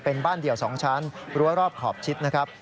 เป็นบ้านเดี่ยว๒ชั้นรั้วรอบขอบชิดนะครับ